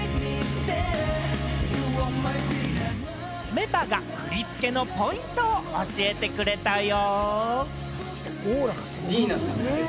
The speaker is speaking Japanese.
メンバーが振り付けのポイントを教えてくれたよ。